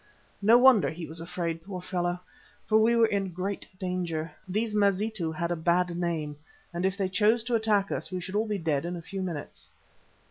No wonder he was afraid, poor fellow, for we were in great danger. These Mazitu had a bad name, and if they chose to attack us we should all be dead in a few minutes.